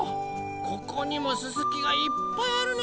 ここにもすすきがいっぱいあるね。